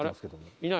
いない。